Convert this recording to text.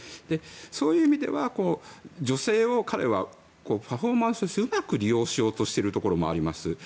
そういう意味では女性を彼はパフォーマンスにうまく利用しようとしているところもあります。